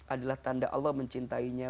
adalah tanda allah mencintainya